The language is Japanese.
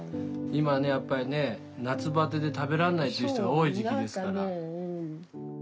今ねやっぱりね夏バテで食べらんないっていう人が多い時期ですから。